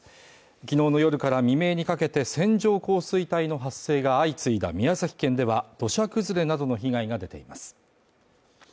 昨日の夜から未明にかけて線状降水帯の発生が相次いだ宮崎県では土砂崩れなどの被害が出ています